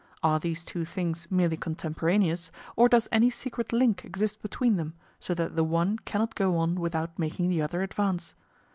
Are these two things merely contemporaneous, or does any secret link exist between them, so that the one cannot go on without making the other advance?